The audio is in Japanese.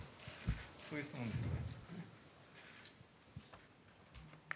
そういう質問ですね。